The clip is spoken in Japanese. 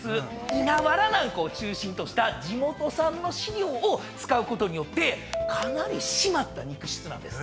稲ワラを中心とした地元産の飼料を使うことによってかなり締まった肉質なんです。